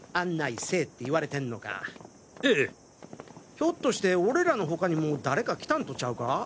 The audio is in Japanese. ひょっとして俺らの他にもう誰か来たんとちゃうか？